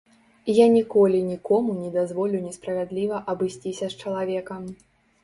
Я ніколі нікому не дазволю несправядліва абысціся з чалавекам.